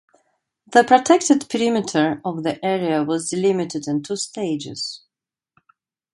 The protected perimeter of the area was delimited in two stages.